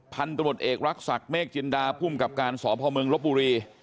พันธุ์ตรวจเอกรักษากเมฆจินดาภูมิกับการสอบภาวเมืองลบบุรี